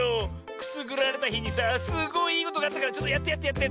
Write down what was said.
くすぐられたひにさすごいいいことがあったからやってやってやって！